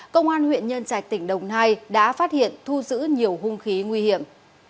công an huyện nhân trạch tỉnh đồng nai đã phát hiện thu giữ nhiều hung khí nguy hiểm